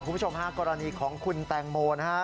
คุณผู้ชมฮะกรณีของคุณแตงโมนะฮะ